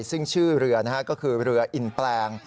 ซึ่งชื่อเรือก็คือเรืออินแปลง